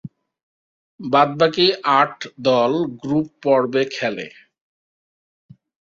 বাদ-বাকী আট দল গ্রুপ-পর্বে খেলে।